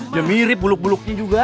ya mirip buluk beluknya juga